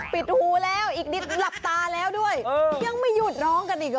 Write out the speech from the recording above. ปิดหูแล้วอีกนิดหลับตาแล้วด้วยยังไม่หยุดน้องกันอีกหรอ